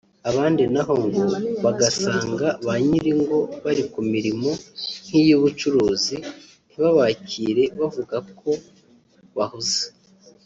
abandi na ho ngo bagasanga ba nyir’ingo bari ku mirimo nk’iy’ubucuruzi ntibabakire bavuga ko bahuze